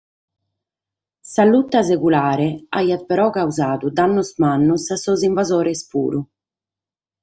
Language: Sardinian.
Sa luta seculare aiat però causadu dannos mannos a sos invasores puru.